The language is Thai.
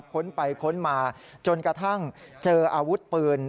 ค้นไปค้นมาจนกระทั่งเจออาวุธปืน